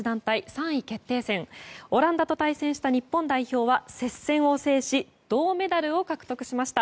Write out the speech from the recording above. ３位決定戦オランダと対戦した日本代表は接戦を制し銅メダルを獲得しました。